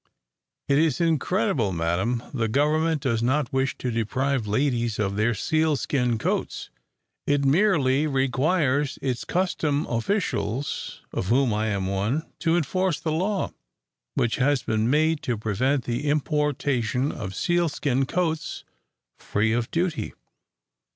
"It is incredible, madam. The government does not wish to deprive ladies of their sealskin coats. It merely requires its custom officials, of whom I am one, to enforce the law which has been made to prevent the importation of sealskin coats free of duty."